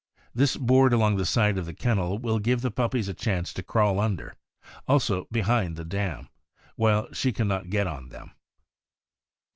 This board along the side of the kennel will give the puppies a chance to crawl under; also behind the dam, while she can not get on them.